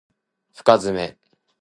深爪